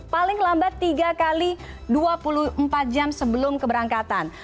paling lambat tiga x dua puluh empat jam sebelum keberangkatan